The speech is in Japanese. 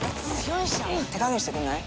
手加減してくんない？